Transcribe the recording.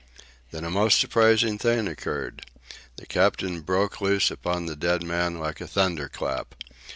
Then a most surprising thing occurred. The captain broke loose upon the dead man like a thunderclap.